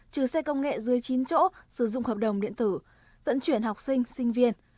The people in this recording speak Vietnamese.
trừ xe công nghệ dưới chín chỗ sử dụng hợp đồng điện tử vận chuyển học sinh sinh viên